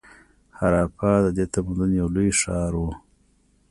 هراپا د دې تمدن یو لوی ښار و.